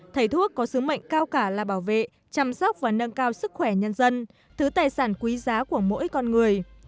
thầy thuốc có sứ mệnh cao cả là bảo vệ chăm sóc và nâng cao sức khỏe nhân dân thứ tài sản quý giá của mỗi con người